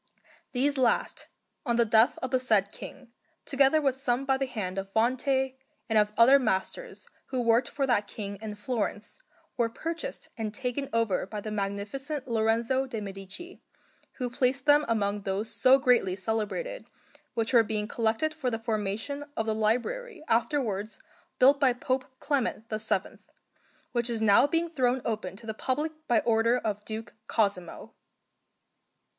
These last, on the death of the said King, together with some by the hand of Vante and of other masters who worked for that King in Florence, were purchased and taken over by the Magnificent Lorenzo de' Medici, who placed them among those so greatly celebrated which were being collected for the formation of the library afterwards built by Pope Clement VII, which is now being thrown open to the public by order of Duke Cosimo.